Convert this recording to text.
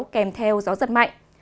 kèm theo gió giật mạnh